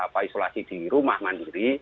regulasi di rumah mandiri